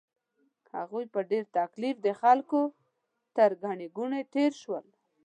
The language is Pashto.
هغوی په ډېر تکلیف د خلکو تر ګڼې ګوڼې تېر شول.